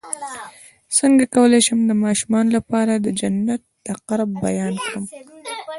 څنګه کولی شم د ماشومانو لپاره د جنت د قرب بیان کړم